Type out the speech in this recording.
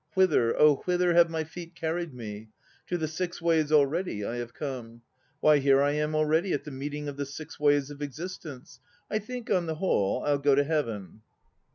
Whither, oh whither have my feet carried me? To the Six Ways already I have come. Why, here I am already at the meeting of the Six Ways of Existence. I think on the whole I'll go to Heaven.